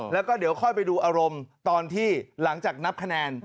แล้วก็เดี๋ยวค่อยไปดูอารมณ์ตอนที่หลังจากนับคะแนน